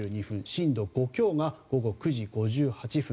震度５強が午後９時５８分。